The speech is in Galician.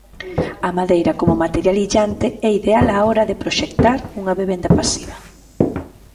A madeira, como material illante, é ideal á hora de proxectar unha vivenda pasiva.